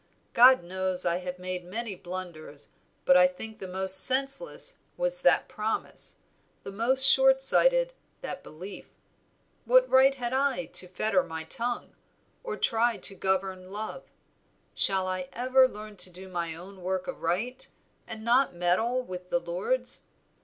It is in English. God knows I have made many blunders, but I think the most senseless was that promise; the most short sighted, that belief. What right had I to fetter my tongue, or try to govern love? Shall I ever learn to do my own work aright, and not meddle with the Lord's?